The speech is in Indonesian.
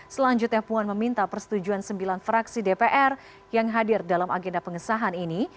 selanjutnya puan meminta persetujuan sembilan fraksi dpr yang hadir dalam agenda pengesahan ini